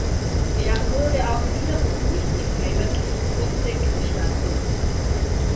Er wurde auch hier und nicht im heimatlichen Ossegg bestattet.